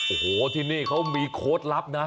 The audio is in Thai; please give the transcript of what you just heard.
โอ้โหที่นี่เค้ามีโคตรลัพธ์นะ